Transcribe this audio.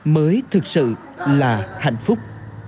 mới thực sự là hạnh phúc